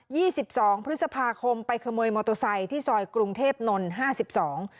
สิบสองพฤษภาคมไปขโมยมอเตอร์ไซค์ที่ซอยกรุงเทพนนท์ห้าสิบสอง